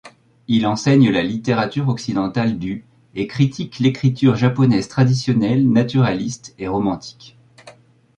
Il enseigne la littérature occidentale du et critique l'écriture japonaise traditionnelle naturaliste et romantique.